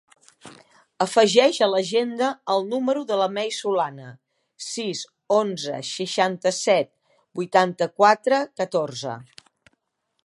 Afegeix a l'agenda el número de la Mei Solana: sis, onze, seixanta-set, vuitanta-quatre, catorze.